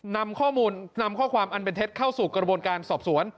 นำข้อมูลนำข้อความอันเป็นเท็จเข้าสู่กระบวนการสอบสวน